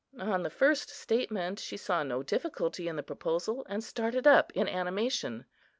On the first statement she saw no difficulty in the proposal, and started up in animation.